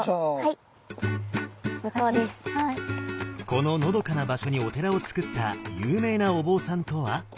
こののどかな場所にお寺を造った有名なお坊さんとは？